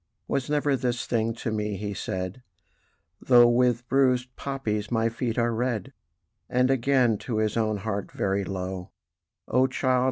"Was never this thing to me," he said, "Though with bruisèd poppies my feet are red!" And again to his own heart very low: "O child!